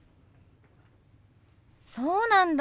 そうなんだ。